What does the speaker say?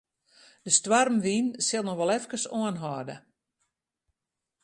De stoarmwyn sil noch wol efkes oanhâlde.